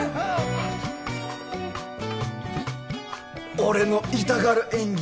俺の痛がる演技